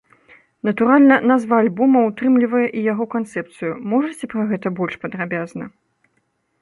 Натуральна, назва альбома ўтрымлівае і яго канцэпцыю, можаце пра гэта больш падрабязна?